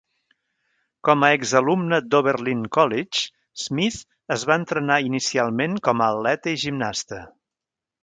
Com a exalumna d'Oberlin College, Smith es va entrenar inicialment com a atleta i gimnasta.